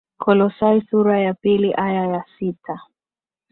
Kolosai sura ya pili aya ya sita